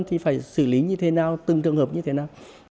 thì phải xử lý như thế nào từng trường hợp như thế nào